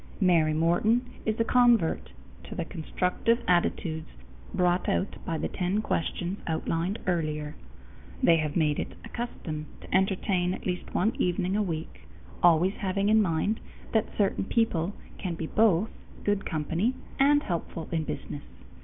Mary Morton is a convert to the constructive attitudes brought out by the ten questions outlined earlier. They have made it a custom to entertain at least one evening a week, always having in mind that certain people can be both good company and helpful in business.